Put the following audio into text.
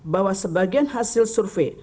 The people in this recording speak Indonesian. bahwa sebagian hasil survei